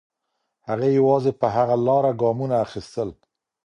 هغې یوازې په هغه لاره ګامونه اخیستل.